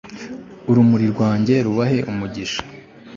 ururimi rwange rubahe umugisha